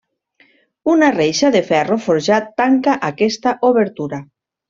Una reixa de ferro forjat tanca aquesta obertura.